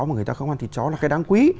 mà người ta không ăn thịt chó là cái đáng quý